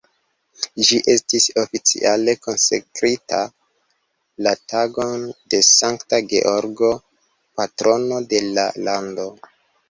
Ĝi estis oficiale konsekrita la tagon de Sankta Georgo, patrono de la lando.